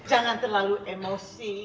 jangan terlalu emosi